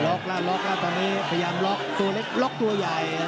ล็อกแล้วตอนนี้ตัวเล็กล็อกตัวใหญ่